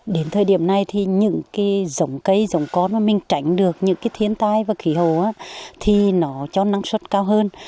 đến thời điểm này thì những cái dòng cây dòng con mà mình tránh được những cái thiên tai và khí hồ thì nó cho năng suất cao hơn